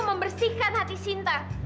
membersihkan hati sinta